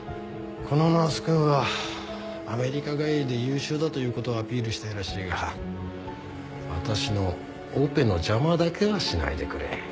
このナースくんはアメリカ帰りで優秀だという事をアピールしたいらしいが私のオペの邪魔だけはしないでくれ。